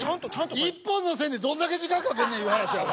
１本の線でどんだけ時間かけんねんいう話やわ。